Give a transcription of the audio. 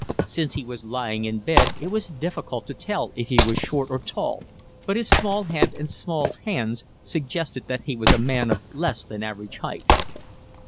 Since he was lying in bed it was difficult to tell if he was short or tall, but his small head and small hands suggested that he was a man of less than average height.